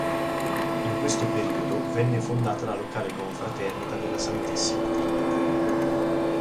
In questo periodo venne fondata la locale confraternita della Santissima Trinità.